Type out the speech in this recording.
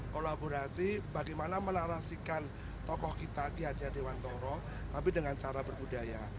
kolaborasi bagaimana menarasikan tokoh kita di haji haji wantoro tapi dengan cara berbudaya